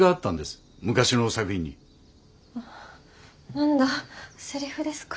何だセリフですか。